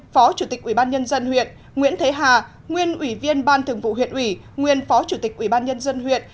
phó chủ tịch ubnd huyện nguyễn thế hà nguyên ủy viên ban thường vụ huyện ủy nguyên phó chủ tịch ubnd huyện